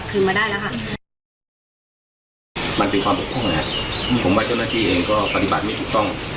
ดูมันเป็นความปกครองเลยฮะอืมผมว่าเจ้าหน้าที่เองก็ปฏิบัติไม่ถูกต้อง